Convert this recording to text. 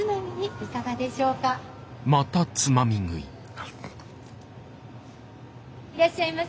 いらっしゃいませ。